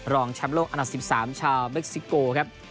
รองแชมป์โลกอันดับ๑๓ชาวเม็กซิโกครับ